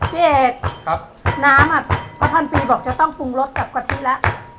พี่เอกกี่กิเทพน้ำพระพันธุ์ปีบอกว่าจะต้องฟรุงรสกับกาทิละ